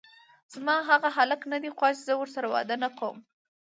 زما هغه هلک ندی خوښ، زه ورسره واده نکوم!